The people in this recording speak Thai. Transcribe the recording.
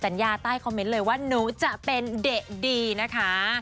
ใต้คอมเมนต์เลยว่าหนูจะเป็นเด็กดีนะคะ